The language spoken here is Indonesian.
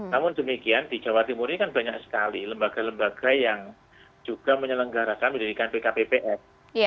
namun demikian di jawa timur ini kan banyak sekali lembaga lembaga yang juga menyelenggarakan pendidikan pkpps